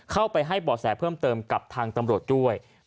เข้าไปให้บ่อแสเพิ่มเติมกับทางตำรวจด้วย